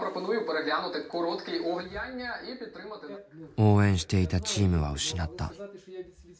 応援していたチームは失った。